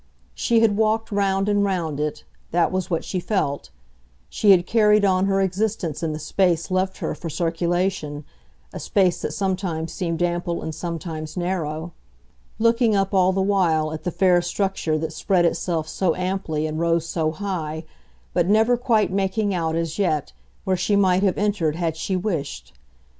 She had walked round and round it that was what she felt; she had carried on her existence in the space left her for circulation, a space that sometimes seemed ample and sometimes narrow: looking up, all the while, at the fair structure that spread itself so amply and rose so high, but never quite making out, as yet, where she might have entered had she wished.